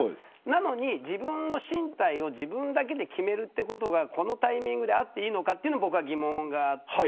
なのに自分の進退を自分だけで決めるということがこのタイミングであっていいのか僕は疑問があって。